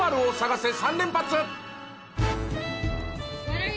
３連発。